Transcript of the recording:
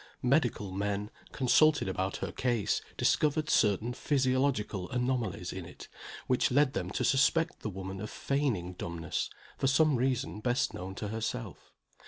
Medical men, consulted about her case discovered certain physiological anomalies in it which led them to suspect the woman of feigning dumbness, for some reason best known to herself.